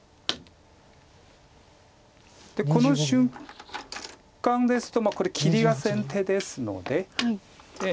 でこの瞬間ですとこれ切りが先手ですのでこちらが利けば。